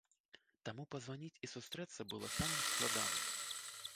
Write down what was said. Таму пазваніць і сустрэцца было самым складаным.